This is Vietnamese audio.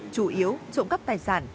chủ yếu trộm cắp tài sản